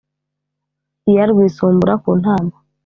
Iya rwisumbura ku ntama,